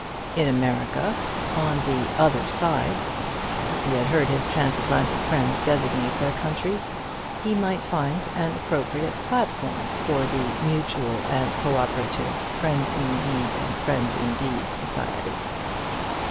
In America on the "other side," as he had heard his Transatlantic friends designate their country he might find an appropriate platform for the MUTUAL AND CO OPERATIVE FRIEND IN NEED AND FRIEND IN DEED SOCIETY.